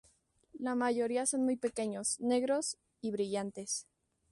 La mayoría son muy pequeños, negros y brillantes.